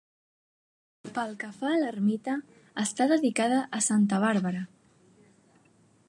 Pel que fa a l'ermita, està dedicada a Santa Bàrbara.